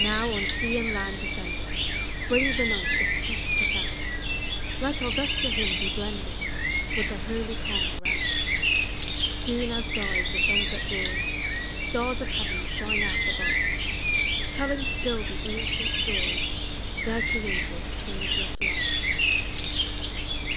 Now, on sea and land descending, Brings the night its peace profound: Let our vesper hymn be blending With the holy calm around. Soon as dies the sunset glory, Stars of heaven shine out above, Telling still the ancient story Their Creator's changeless love.